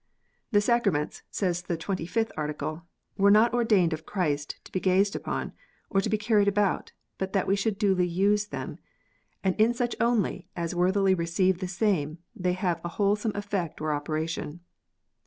"The Sacraments," says the Twenty fifth Article, "were not ordained of Christ to be gazed upon, or to be carried about, but that we should duly use them. And in such only as worthily receive the same they have a wholesome effect or operation."